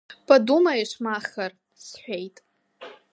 Подумаешь Маахыр, — сҳәеит.